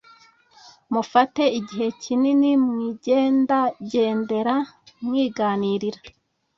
mufate igihe kinini mwigendagendera mwiganirira,